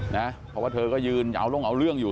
เพราะว่าเธอก็ยืนเอาลงเอาเรื่องอยู่